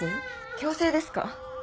強制ですか？